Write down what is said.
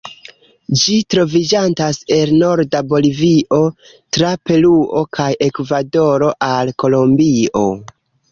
Ĝi troviĝantas el norda Bolivio, tra Peruo kaj Ekvadoro al Kolombio.